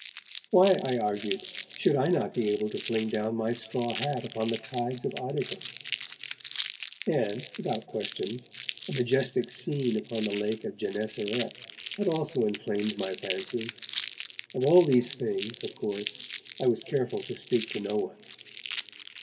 Why, I argued, should I not be able to fling down my straw hat upon the tides of Oddicombe? And, without question, a majestic scene upon the Lake of Gennesaret had also inflamed my fancy. Of all these things, of course, I was careful to speak to no one.